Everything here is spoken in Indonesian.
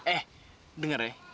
eh denger ya